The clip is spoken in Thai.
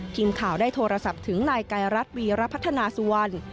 ทีมข่าวได้โทรศัพท์ถึงนายไกรรัฐวีรพัฒนาสุวรรณ